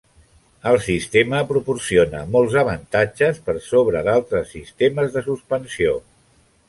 El sistema proporciona molts avantatges per sobre d'altres sistemes de suspensió.